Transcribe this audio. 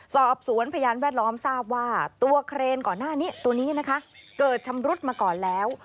สอบสวนพยานแวดล้อมทราบว่าตัวเครนก่อนหน้านี้ตัวนี้นะคะเกิดชำรุดมาก่อนแล้ว